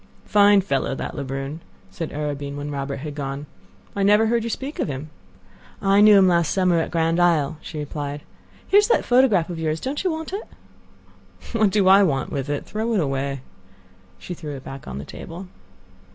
"Fine fellow, that Lebrun," said Arobin when Robert had gone. "I never heard you speak of him." "I knew him last summer at Grand Isle," she replied. "Here is that photograph of yours. Don't you want it?" "What do I want with it? Throw it away." She threw it back on the table.